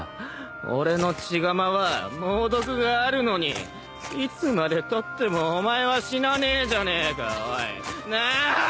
俺の血鎌は猛毒があるのにいつまでたってもお前は死なねえじゃねえかおい！なぁああ！！